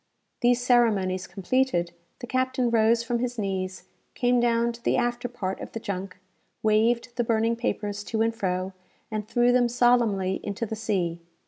These ceremonies completed, the captain rose from his knees, came down to the after part of the junk, waved the burning papers to and fro, and threw them solemnly into the sea.